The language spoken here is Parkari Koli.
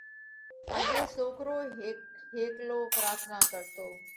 اڳي سوڪرو هيڪ هيڪلو پراٿنا ڪرتو،